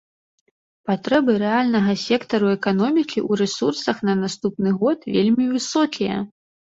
Патрэбы рэальнага сектару эканомікі ў рэсурсах на наступны год вельмі высокія.